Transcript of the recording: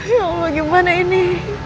ya allah gimana ini